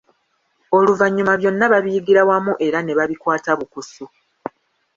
Oluvannyuma byonna babiyigira wamu era ne babikwata bukusu.